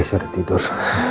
kayaknya sudah tidur